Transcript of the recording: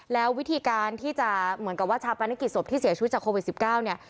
แล้ววิธีการที่จะเหมือนกับว่าชาปนกิจศพที่เสียชีวิตจากโควิด๑๙เนี่ย